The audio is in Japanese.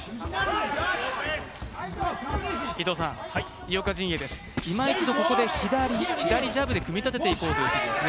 井岡陣営です、いま一度左、左ジャブで組み立てていこうという指示ですね。